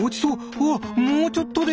うわっもうちょっとで！